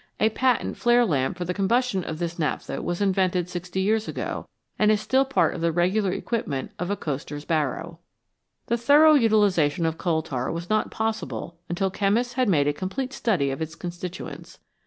A patent flare lamp for the combustion of this naphtha was invented sixty years ago> and is still part of the regular equipment of a coster's barrow. The thorough utilisation of coal tar was not possible until chemists had made a complete study of its con stituents.